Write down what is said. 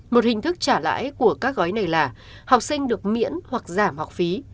một hình thức trả lãi của các gói này là học sinh được miễn hoặc giảm học phí